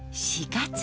４月。